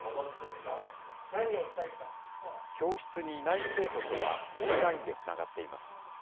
教室にいない生徒とはオンラインでつながっています。